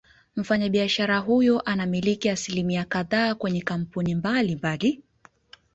Mfanyabiashara huyo anamiliki asilimia kadhaa kwenye kampuni mbali mbali